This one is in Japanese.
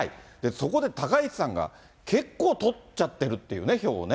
そこで高市さんが結構取っちゃってるっていうね、票をね。